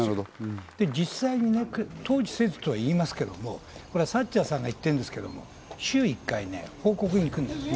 実際に統治せずとは言いますけれども、サッチャーさんが言ってるんですけれども、週１回、報告に行くんです。